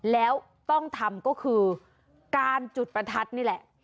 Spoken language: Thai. แล้วต้องทำก็คือการจุดประทัดนี่แหละ